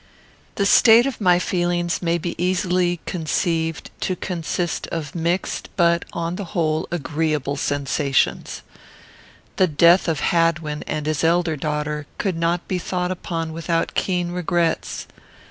The state of my feelings may be easily conceived to consist of mixed, but, on the whole, of agreeable, sensations. The death of Hadwin and his elder daughter could not be thought upon without keen regrets.